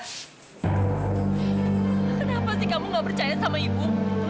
kenapa sih kamu gak percaya sama ibu